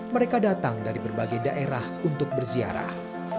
mereka datang dari berbagai daerah untuk berziarah